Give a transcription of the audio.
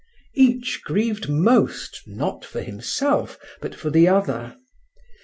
Each grieved most, not for himself, but for the other.